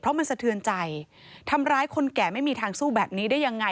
เพราะมันสะเทือนใจทำร้ายคนแก่ไม่มีทางสู้แบบนี้ได้ยังไง